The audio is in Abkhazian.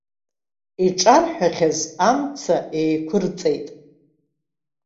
Иҿарҳәахьаз амца еиқәырҵеит.